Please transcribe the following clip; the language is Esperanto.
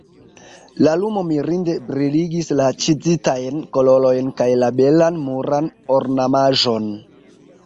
La lumo mirinde briligis la ĉizitajn kolonojn kaj la belan muran ornamaĵon.